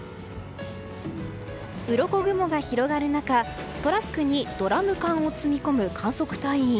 うろこ雲が広がる中トラックにドラム缶を積み込む観測隊員。